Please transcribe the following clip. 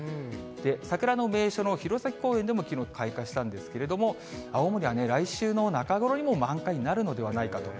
桜の名所の弘前公園でも、きのう開花したんですけれども、青森はね、来週の中ごろにも満開になるのではないかと。